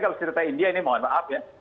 kalau cerita india ini mohon maaf ya